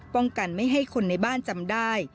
ป้องกันไม่ให้คนในบ้านจำได้